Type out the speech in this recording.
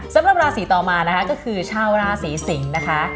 สำหรับราศีต่อมานะคะก็คือชาวราศีสิงศ์นะคะ